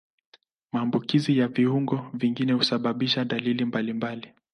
Maambukizi ya viungo vingine husababisha dalili mbalimbali.